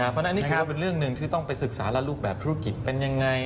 เพราะอันนี้คือเป็นเรื่องหนึ่งที่ต้องไปศึกษาละลูกแบบภูกิตเป็นยังไง